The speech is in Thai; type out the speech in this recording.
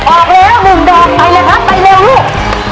ออกแล้วหนึ่งดอกไปเลยครับไปเร็วลูก